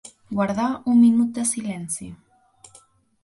Guardar un minut de silenci.